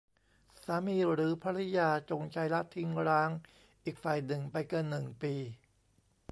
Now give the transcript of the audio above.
สามีหรือภริยาจงใจละทิ้งร้างอีกฝ่ายหนึ่งไปเกิน หนึ่ง ปี